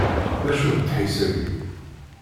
D acu d ddḥis-ayi?